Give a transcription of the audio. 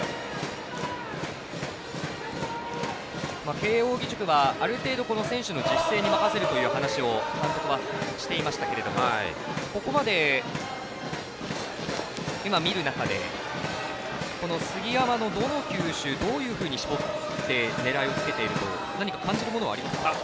慶応義塾はある程度選手の自主性に任せるという話を監督はしていましたけれどもここまで、今、見る中で杉山のどの球種、どういうふうに絞って、狙いをつけているか何か感じるものはありますか？